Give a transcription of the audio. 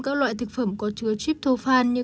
các loại thực phẩm có chứa tryptophan như